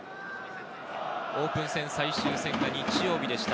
オープン戦最終戦は日曜日でした。